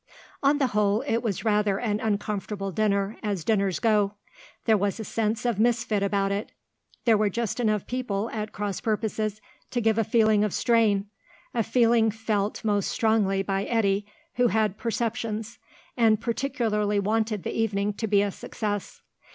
On the whole it was rather an uncomfortable dinner, as dinners go. There was a sense of misfit about it. There were just enough people at cross purposes to give a feeling of strain, a feeling felt most strongly by Eddy, who had perceptions, and particularly wanted the evening to be a success.